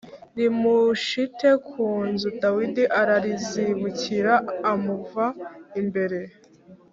rimushite ku nzu Dawidi ararizibukira amuva imbere